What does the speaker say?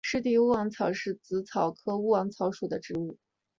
湿地勿忘草是紫草科勿忘草属的植物。